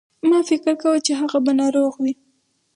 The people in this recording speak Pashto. ما فکر کاوه چې هغه به ناروغ وي.